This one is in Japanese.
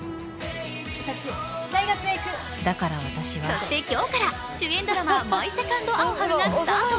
そして、今日から主演ドラマ「マイ・セカンド・アオハル」がスタート。